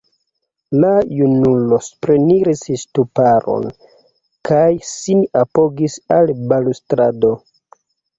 La junulo supreniris ŝtuparon, kaj sin apogis al balustrado.